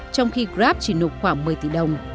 trong khi grab chỉ nộp khoảng một mươi tỷ đồng